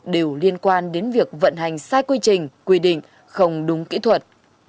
đều liên quan đến việc vận hành sai quy trình quy định không đúng kỹ thuật